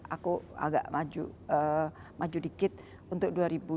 aku agak maju dikit untuk dua ribu dua puluh